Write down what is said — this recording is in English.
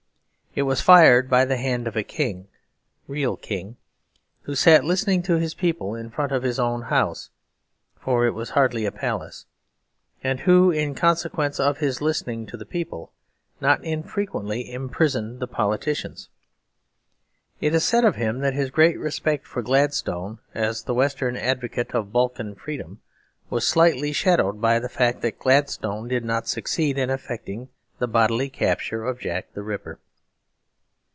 It was fired by the hand of a king real king, who sat listening to his people in front of his own house (for it was hardly a palace), and who, in consequence of his listening to the people, not unfrequently imprisoned the politicians. It is said of him that his great respect for Gladstone as the western advocate of Balkan freedom was slightly shadowed by the fact that Gladstone did not succeed in effecting the bodily capture of Jack the Ripper.